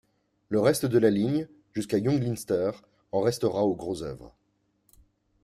Le reste de la ligne, jusqu'à Junglinster, en restera au gros-oeuvre.